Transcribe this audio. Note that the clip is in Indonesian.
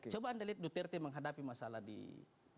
coba anda lihat duterte menghadapi masalah isis di amerika